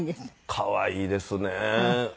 可愛いですね。